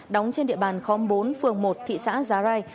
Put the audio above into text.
đóng trên địa bàn khóm bốn phường một thị xã giá rai